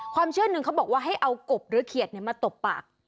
เชื่อหนึ่งเขาบอกว่าให้เอากบหรือเขียดมาตบปาก